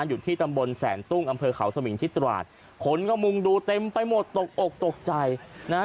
อยู่ที่ตำบลแสนตุ้งอำเภอเขาสมิงที่ตราดคนก็มุงดูเต็มไปหมดตกอกตกใจนะฮะ